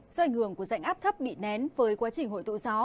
do ảnh hưởng của dạnh áp thấp bị nén với quá trình hội tụ gió